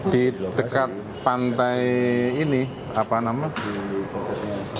di dekat pantai ini apa namanya